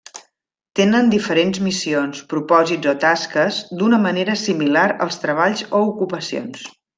Tenen diferents missions, propòsits o tasques, d'una manera similar als treballs o ocupacions.